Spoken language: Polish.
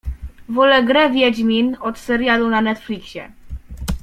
Wolę grę Wiedźmin od serialu na Netflixie.